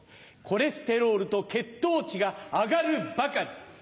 コレステロールと血糖値が上がるばかり。